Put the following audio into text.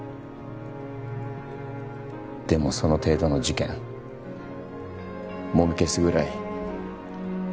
でもその程度の事件もみ消すぐらい。